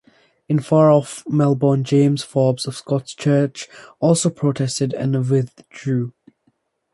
In far-off Melbourne James Forbes of Scots Church also protested and withdrew.